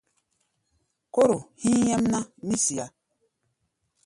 Kóro hí̧í̧ nyɛ́mná, mí siá.